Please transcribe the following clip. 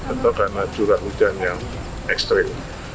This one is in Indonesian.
atau karena curah hujan yang ekstrim